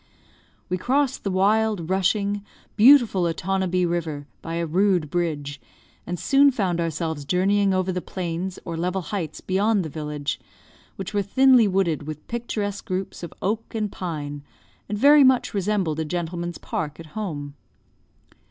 We crossed the wild, rushing, beautiful Otonabee river by a rude bridge, and soon found ourselves journeying over the plains or level heights beyond the village, which were thinly wooded with picturesque groups of oak and pine, and very much resembled a gentleman's park at home.